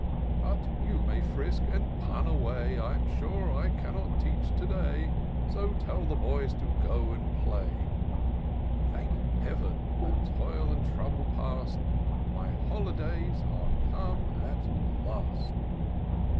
But you may jfrisk and pim away ; I'm sure I cannot teach to ^ay. So tell the boys to go and play. Thank Heaven, that toil and trouble past, My holidays axe come at last!